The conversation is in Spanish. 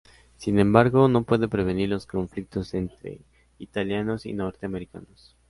Sin embargo, no puede prevenir los conflictos entre italianos y norteamericanos.